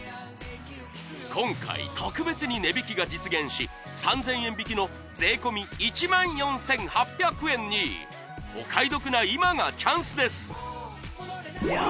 今回特別に値引きが実現し３０００円引きの税込１万４８００円にお買い得な今がチャンスです